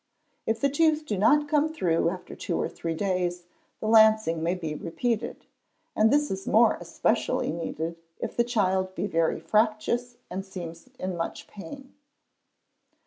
If the tooth do not come through after two or three days, the lancing may be repeated; and this is more especially needed if the child be very fractious, and seems in much pain.